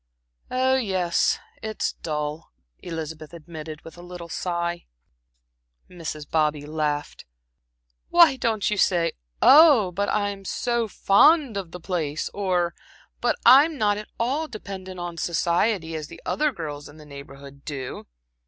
"Oh, yes, it's dull," Elizabeth admitted, with a little sigh. Mrs. Bobby laughed. "Why don't you say 'oh, but I am so fond of the place,' or 'but I'm not at all dependent on society,' as the other girls in the Neighborhood do?"